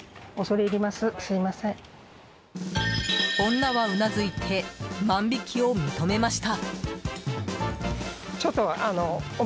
女はうなずいて万引きを認めました。